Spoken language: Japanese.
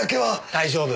大丈夫。